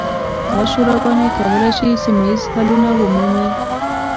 دا شوراګانې کولی شي سیمه ییز حلونه ومومي.